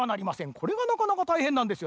これがなかなかたいへんなんですよ。